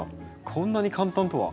こんなに簡単とは。